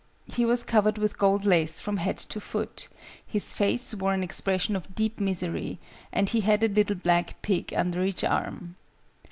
He was covered with gold lace from head to foot: his face wore an expression of deep misery: and he had a little black pig under each arm.